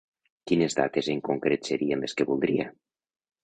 Quines dates en concret serien les que voldria?